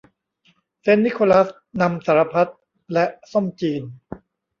เซนต์นิโคลัสนำสารพัดและส้มจีน